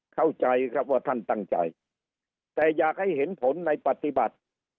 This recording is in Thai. เข้าใจครับว่าท่านตั้งใจแต่อยากให้เห็นผลในปฏิบัติ